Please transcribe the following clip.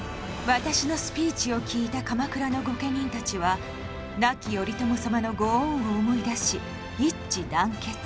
私のスピーチを聞いた鎌倉の御家人たちは亡き頼朝様の御恩を思い出し一致団結。